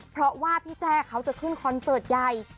เพราะว่าพี่แจ้เขาจะขึ้นคอนเสิร์ตใหญ่